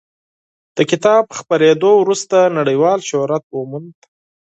د کتاب خپرېدو وروسته نړیوال شهرت وموند.